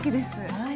はい。